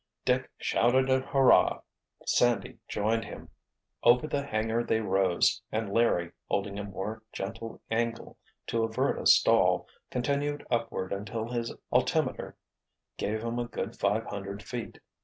Dick shouted a hurrah! Sandy joined him. Over the hangar they rose, and Larry, holding a more gentle angle to avert a stall, continued upward until his altimeter gave him a good five hundred feet.